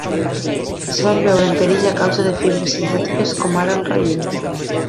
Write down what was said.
Es van veure en perill a causa de fibres sintètiques com ara el raió.